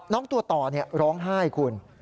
น้องตัวต่อร้องไห้คุณ